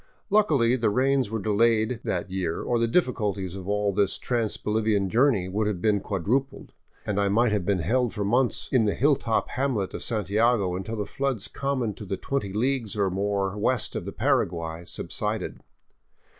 Luckily, the rains were delayed that year, or the difficulties of all this trans Bolivian journey would have been quadrupled, and I might have been held for months in the hilltop hamlet of Santiago until the floods common to the twenty leagues or more west of the Paraguay subsided.